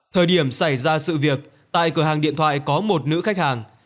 thời điểm xảy ra sự việc tại cửa hàng điện thoại có một nữ khách hàng